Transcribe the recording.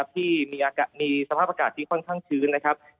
ที่มีสภาพอากาศที่ค่อนข้างชื้นนะครับ